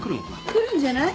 来るんじゃない？